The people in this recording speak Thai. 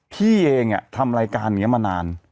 พี่เองทำรายการอย่างนี้มานาน